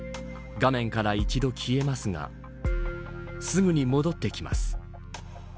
画面から一度消えますがすぐに戻ってきます。